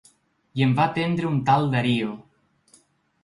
I em va atendre un tal Darío.